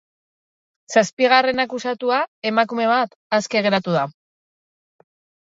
Zazpigarren akusatua, emakume bat, aske geratu da.